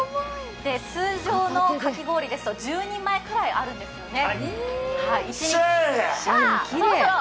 通常のかき氷ですと、１０人前くらいあるんですよね。